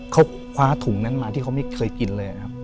เขาคว้าถุงนั้นมาที่เขาไม่เคยกินเลยนะครับ